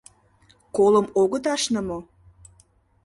Колым огыт ашне мо?